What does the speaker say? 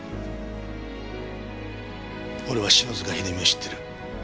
俺は篠塚秀実を知ってる。